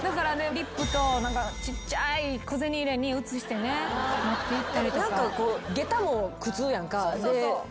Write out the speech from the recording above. リップとちっちゃい小銭入れに移してね持っていったりとか。